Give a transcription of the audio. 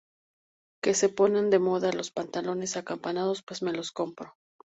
Que se ponen de moda los pantalones acampanados pues me los compro